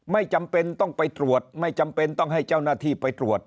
ไม่จำเป็นต้องไปตรวจไม่จำเป็นต้องให้เจ้าหน้าที่ไปตรวจ